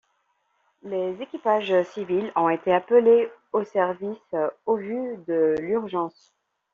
Les équipages civils ont été appelés au service au vu de l'urgence.